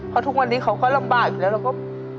เพราะทุกวันนี้เขาก็ลำบากอยู่แล้วเราก็